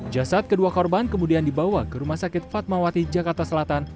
jasad kedua korban kemudian dibawa ke rumah sakit fatmawati jakarta selatan